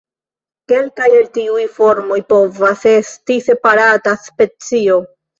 Kelkaj el tiuj formoj povas esti separata specio.